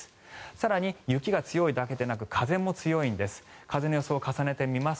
更に雪が強いだけでなく風も強いんです。